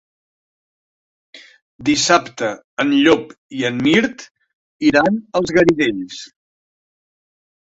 Dissabte en Llop i en Mirt iran als Garidells.